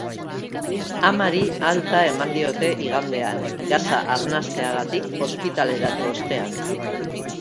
Amari alta eman diote igandean, gasa arnasteagatik ospitaleratu ostean.